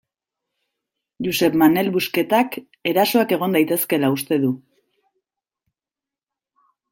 Josep Manel Busquetak erasoak egon daitezkeela uste du.